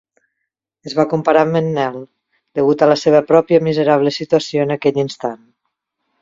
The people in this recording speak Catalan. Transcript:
Es va comparar amb en Nell, degut a la seva pròpia miserable situació en aquell instant.